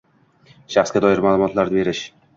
Shaxsga doir ma’lumotlarni berish